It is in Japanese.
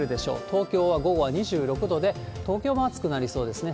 東京は午後は２６度で、東京も暑くなりそうですね。